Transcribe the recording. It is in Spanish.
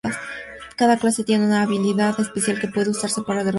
Cada clase tiene una habilidad especial que puede usarse para derrotar a otros jugadores.